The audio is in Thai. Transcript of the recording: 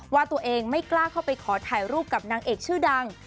ว่าตัวเองไม่กล้าเข้าไปขอถ่ายรูปกับนางเอกชื่อดัง